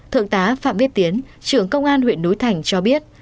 thượng tá phạm biết tiến trưởng công an huyện núi thành cho biết